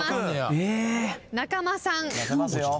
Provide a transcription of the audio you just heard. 中間さん。